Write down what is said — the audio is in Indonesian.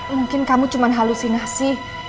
mungkin kamu cuma halusinasi